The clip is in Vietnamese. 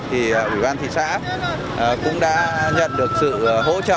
thì ủy ban thị xã cũng đã nhận được sự hỗ trợ